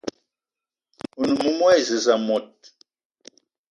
One moumoua e zez mot